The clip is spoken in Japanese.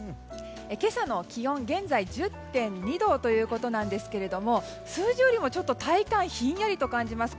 今朝の気温、現在は１０．２度ということですが数字よりも体感ひんやりと感じます。